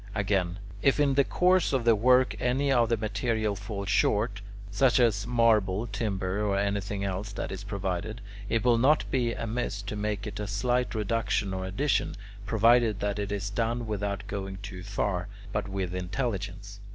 Again, if in the course of the work any of the material fall short, such as marble, timber, or anything else that is provided, it will not be amiss to make a slight reduction or addition, provided that it is done without going too far, but with intelligence.